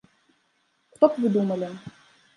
Хто б вы думалі?